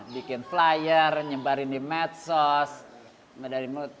bikin flyer nyebarin di medsos dari mulut